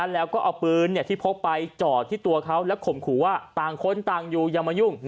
แล้วก็เอาปืนที่พกไปจอดที่ตัวเขาและข่มขู่ว่าต่างคนต่างอยู่อย่ามายุ่ง